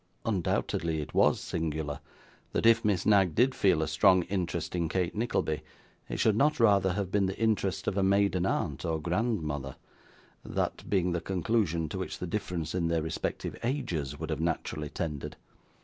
Undoubtedly it was singular, that if Miss Knag did feel a strong interest in Kate Nickleby, it should not rather have been the interest of a maiden aunt or grandmother; that being the conclusion to which the difference in their respective ages would have naturally tended.